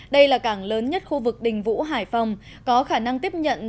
đây là cảng lớn nhất khu vực đình vũ hải phòng có khả năng tiếp nhận